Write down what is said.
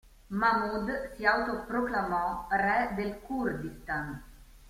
Mahmud si auto-proclamò re del Kurdistan.